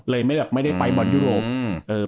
เลยไม่ได้แบบไม่ได้ไปบอลยูโรปอืม